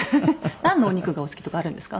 なんのお肉がお好きとかあるんですか？